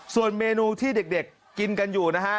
ส่วนเมนูที่เด็กกินกันอยู่นะฮะ